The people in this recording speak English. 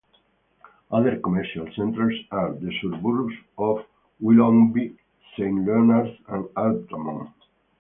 Other commercial centres are the suburbs of Willoughby, Saint Leonards and Artarmon.